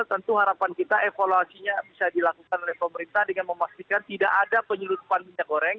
tentu harapan kita evaluasinya bisa dilakukan oleh pemerintah dengan memastikan tidak ada penyeludupan minyak goreng